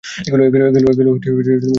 এগুলো পেট ফাঁপার লক্ষণ।